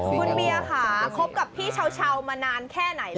อ๋อคุณเบียร์ค่ะครบกับพี่เช้ามานานแค่ไหนล่ะค่ะ